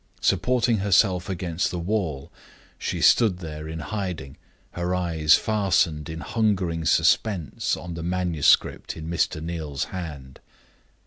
Supporting herself against the wall, she stood there in hiding, her eyes fastened in hungering suspense on the manuscript in Mr. Neal's hand.